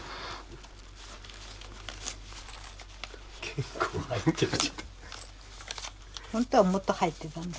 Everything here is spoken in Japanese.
結構入ってる。